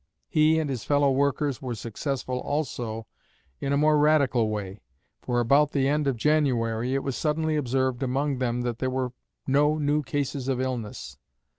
He and his fellow workers were successful also in a more radical way, for about the end of January it was suddenly observed among them that there were no new cases of illness.